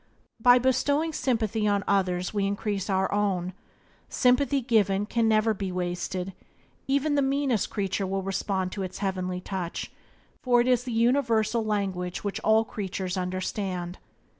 By bestowing sympathy on others we increase our own. Sympathy given can never be wasted. Even the meanest creature will respond to its heavenly touch, for it is the universal language which all creatures understand.